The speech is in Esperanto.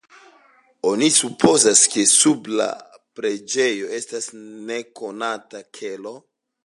Oni supozas, ke sub la preĝejo estas nekonata kelo.